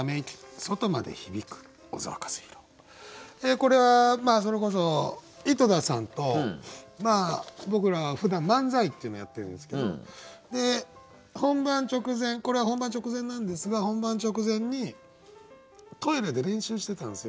これはそれこそ井戸田さんと僕らふだん漫才っていうのをやってるんですけど本番直前これは本番直前なんですが本番直前にトイレで練習してたんですよ。